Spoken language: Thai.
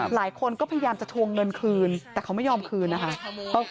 หลายคนก็พยายามจะทวงเงินคืนแต่เขาไม่ยอมคืนนะคะ